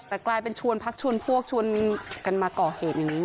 แต่กลายเป็นชวนพักชวนพวกชวนกันมาก่อเหตุอย่างนี้